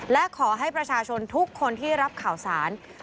และขอให้ประชาชนทุกคนที่รับข่าวสาร